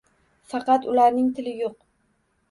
Faqat ularning tili yo‘q...